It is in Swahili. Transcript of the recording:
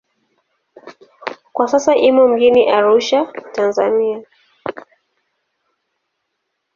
Kwa sasa imo mjini Arusha, Tanzania.